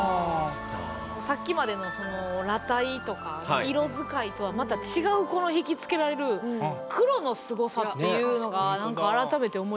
さっきまでのその裸体とか色使いとはまた違うこのひきつけられる黒のすごさっていうのがなんか改めて思いましたよね。